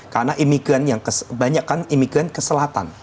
karena imigran yang kesel banyak kan imigran keselatan